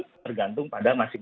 tergantung pada masalah